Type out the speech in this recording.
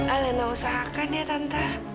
alena usahakan ya tante